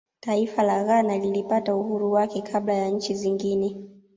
taifa la ghana lilipata uhuru wake kabla ya nchi zingine